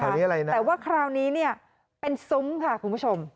อันนี้อะไรนะแต่ว่าคราวนี้เนี่ยเป็นซุ้มค่ะคุณผู้ชม